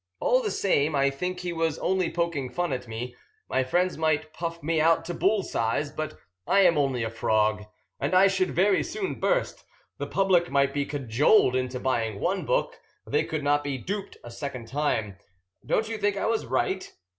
All the same, I think he was only poking fun at me. My friends might puff me out to bull size; but I am only a frog, and I should very soon burst. The public might be cajoled into buying one book; they could not be duped a second time. Don't you think I was right?